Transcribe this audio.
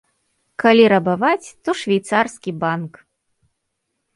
Калі рабаваць, то швейцарскі банк!